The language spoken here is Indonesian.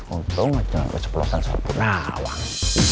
untung aja nggak keceplosan seharap pun awang